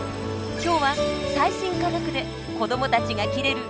今日は最新科学で子どもたちがキレる